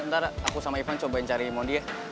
ntar aku sama ivan cobain cariin mondi ya